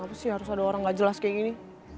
apa sih harus ada orang gak jelas kayak gini